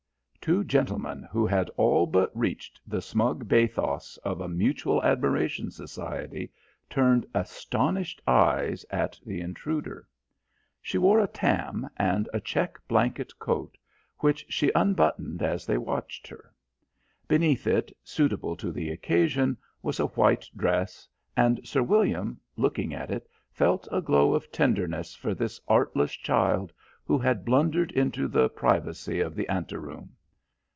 Two gentlemen who had all but reached the smug bathos of a mutual admiration society turned astonished eyes at the intruder. She wore a tam, and a check blanket coat, which she unbuttoned as they watched her. Beneath it, suitable to the occasion, was a white dress, and Sir William, looking at it, felt a glow of tenderness for this artless child who had blundered into the privacy of the ante room.